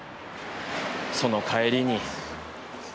その帰りに。